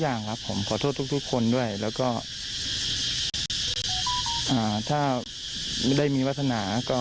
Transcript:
ผมอยากจะบอกว่าวันนี้ผมได้คืนอิคละ